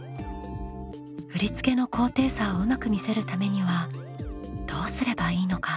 振り付けの高低差をうまく見せるためにはどうすればいいのか？